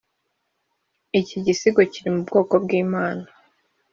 iki gisigo kiri mu bwoko bwimana